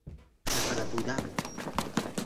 خبره بودن